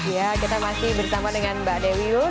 ya kita masih bersama dengan mbak dewi